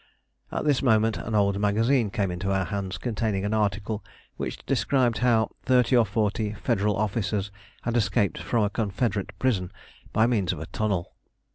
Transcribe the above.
At this moment an old magazine came into our hands containing an article which described how thirty or forty Federal officers had escaped from a Confederate prison by means of a tunnel.